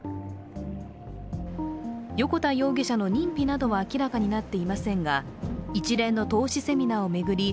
横田容疑者の認否などは明らかになっていませんが、一連の投資セミナーを巡り